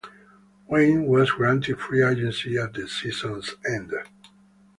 Wayne was granted free agency at the season's end.